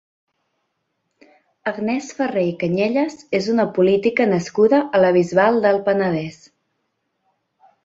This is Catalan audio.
Agnès Ferré i Cañellas és una política nascuda a la Bisbal del Penedès.